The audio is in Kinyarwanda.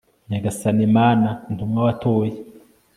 nyagasani mana, intumwa watoye